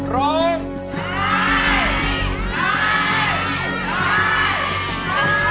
ร้องได้